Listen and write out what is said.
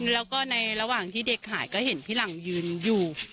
แล้วก็ในระหว่างที่เด็กหายก็เห็นพี่หลังยืนอยู่